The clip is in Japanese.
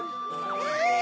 うん！